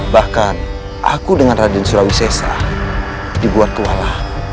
bahkan aku dengan raden sulawisesa dibuat kuala